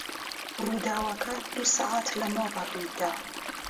ڕووداوەکە دوو سەعات لەمەوبەر ڕووی دا.